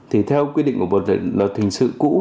thì theo quy định của luật hình sự cũ